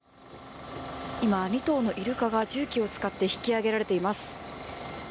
今、２頭のイルカが重機を使って引き上げられています。